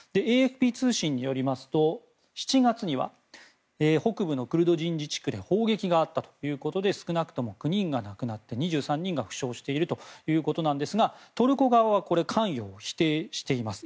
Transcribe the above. ＡＦＰ通信によりますと７月には、北部のクルド人自治区で砲撃があったということで少なくとも９人が亡くなって２３人が負傷しているということですがトルコ側は、これへの関与を否定しています。